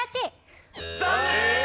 残念！